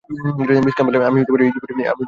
Miss Campbell, আমি এই জীবনই বেছে নিয়েছি।